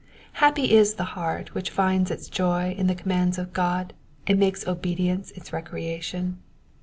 Happy is the heart which finds its joy in the commands of God, and makes obedience its recreation.